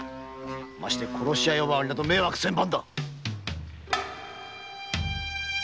まして殺し屋呼ばわりは迷惑千万。